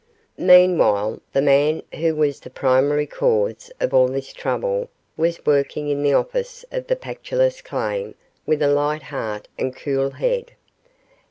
Meanwhile, the man who was the primary cause of all this trouble was working in the office of the Pactolus claim with a light heart and cool head.